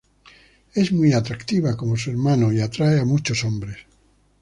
Es muy atractiva, como su hermano, y atrae a muchos hombres.